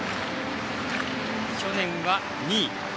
去年は２位。